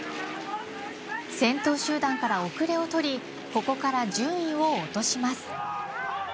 先頭集団から後れをとりここから順位を落とします。